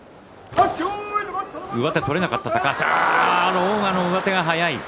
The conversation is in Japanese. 狼雅の上手が速い。